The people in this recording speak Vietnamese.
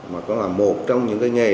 mà có là một trong những cái nghề